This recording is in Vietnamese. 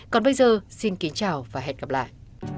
còn bây giờ xin kính chào và hẹn gặp lại